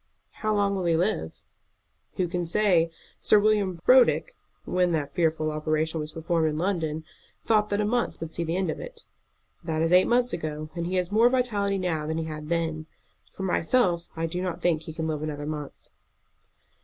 "How long will he live?" "Who can say? Sir William Brodrick, when that fearful operation was performed in London, thought that a month would see the end of it. That is eight months ago, and he has more vitality now than he had then. For myself, I do not think that he can live another month."